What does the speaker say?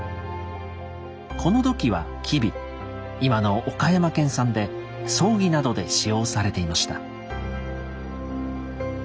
この土器は吉備今の岡山県産で葬儀などで使用されていました。